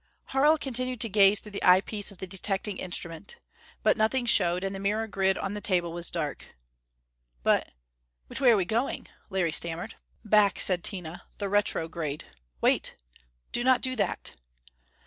Harl continued to gaze through the eyepiece of the detecting instrument. But nothing showed, and the mirror grid on the table was dark. "But which way are we going?" Larry stammered. "Back," said Tina. "The retrograde.... Wait! Do not do that!"